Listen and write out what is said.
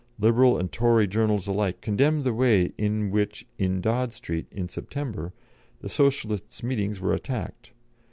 Liberal and Tory journals alike condemned the way in which in Dod Street, in September, the Socialists' meetings were attacked.